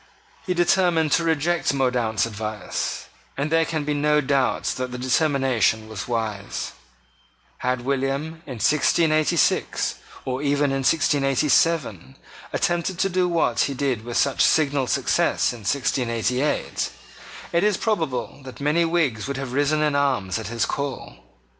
He determined to reject Mordaunt's advice; and there can be no doubt that the determination was wise. Had William, in 1686, or even in 1687, attempted to do what he did with such signal success in 1688, it is probable that many Whigs would have risen in arms at his call.